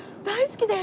大好き！